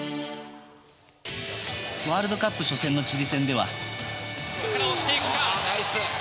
ワールドカップ初戦のチリ戦では。